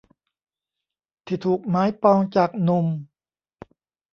ที่ถูกหมายปองจากหนุ่ม